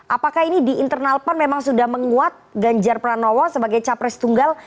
apakah ini di internal pan memang sudah menguat ganjar pranowo sebagai capres tunggal